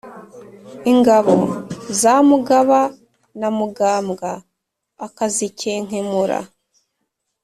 ingabo za mugaba na mugambwa akazikenkemura,